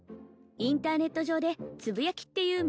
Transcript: インターネット上でつぶやきっていう